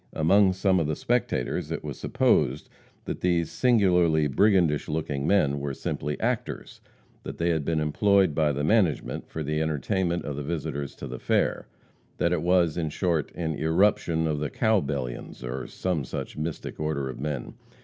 Among some of the spectators it was supposed that these singularly brigandish looking men, were simply actors, that they had been employed by the "management" for the entertainment of the visitors to the fair that it was, in short, an irruption of the "Cowbellions," or some such mystic order of men.